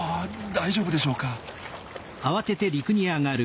大丈夫でしょうか？